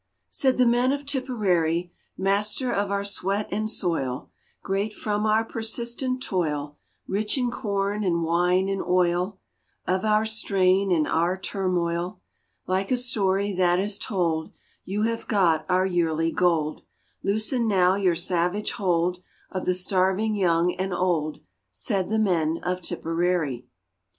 S AID the men of Tipperary :" Master of our sweat and soil, Great from our persistent toil, Rich in corn and wine and oil Of our strain and our turmoil, Like a story that is told You have got our yearly gold, Loosen now your savage hold Of the starving young and old !" Said the men of Tipperary.